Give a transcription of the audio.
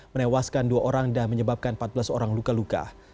menewaskan dua orang dan menyebabkan empat belas orang luka luka